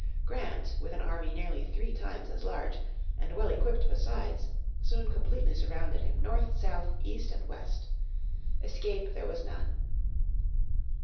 Grant, with an army nearly three times as large, and well equipped besides, soon completely surrounded him north, south, east and west. Escape there was none.